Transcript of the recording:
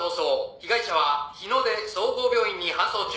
「被害者は日ノ出総合病院に搬送中」